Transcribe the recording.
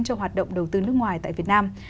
cho hoạt động đầu tư nước ngoài tại việt nam